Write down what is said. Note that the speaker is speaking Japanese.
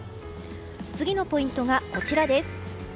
次のポイントがこちらです。